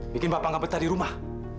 bikin bapak nggak betah di rumah